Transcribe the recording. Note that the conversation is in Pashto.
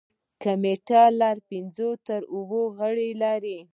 کمیټه له پنځو تر اوو غړي لري.